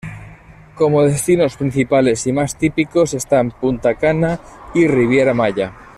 Como destinos principales y más típicos, están Punta Cana y Riviera Maya.